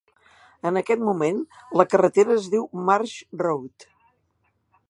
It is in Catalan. En aquest moment, la carretera es diu Marsh Road.